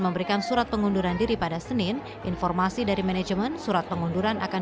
memberikan surat pengunduran diri pada senin informasi dari manajemen surat pengunduran akan